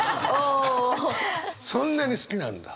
そんなに好きなんだ。